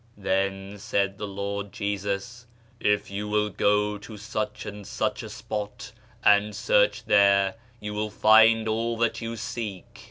Then said the Lord Jesus, ' If you will go to such and such a spot and search there you will find all that you need.'